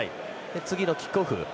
次のキックオフ